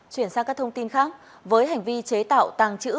chuyển sang các thông tin khác với hành vi chế tạo tàng trữ